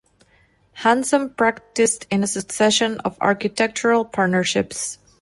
Hansom practised in a succession of architectural partnerships.